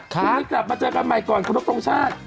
วันนี้กลับมาเจอกันใหม่ก่อนคนนกรมชาติ